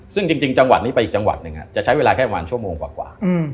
ซึ่งจริงจังหวัดนี้ไปอีกจังหวัดหนึ่งจะใช้เวลาแค่ประมาณชั่วโมงกว่า